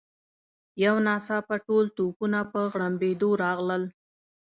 یو ناڅاپه ټول توپونه په غړمبېدو راغلل.